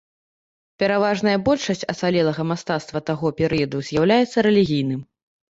Пераважная большасць ацалелага мастацтва таго перыяду з'яўляецца рэлігійным.